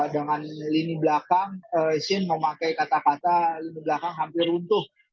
dengan lini belakang shin memakai kata kata lini belakang hampir runtuh